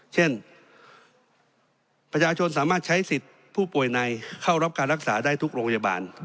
เช่นประชาชนสามารถใช้สิทธิ์ผู้ป่วยในเข้ารับการรักษาได้ทุกโรงพยาบาล